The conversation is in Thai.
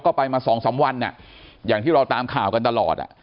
ก็ไปมาสองสามวันเนี่ยอย่างที่เราตามข่าวกันตลอดอะ